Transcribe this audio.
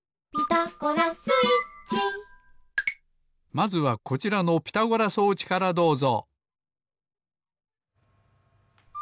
まずはこちらのピタゴラ装置からどうぞ。